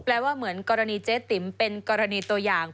ว่าเหมือนกรณีเจ๊ติ๋มเป็นกรณีตัวอย่าง